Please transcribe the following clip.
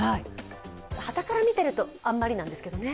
はたから見てると、あんまりなんですけどね。